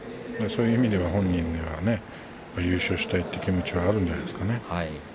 そういう意味では本人優勝したいという気持ちがあるんではないでしょうか。